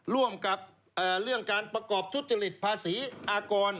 ร่วมกับเรื่องการประกอบทุจริตภาษีอากร